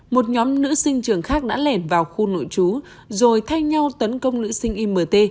một nhóm nữ sinh trường khác đã lẻn vào khu nội chú rồi thay nhau tấn công nữ sinh imt